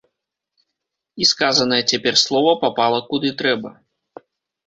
І сказанае цяпер слова папала куды трэба.